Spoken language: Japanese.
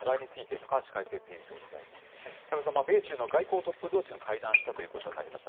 高橋さん、米中の外交トップどうしが会談したということになりました。